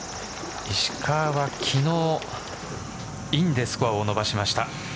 石川は昨日インでスコアを伸ばしました。